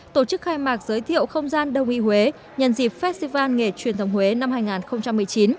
tổ chức khai mạc giới thiệu không gian đông y huế nhân dịp festival nghề truyền thống huế năm hai nghìn một mươi chín